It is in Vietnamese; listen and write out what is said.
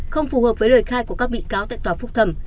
không phù hợp với lời khai của các bị cáo tại tòa phúc thẩm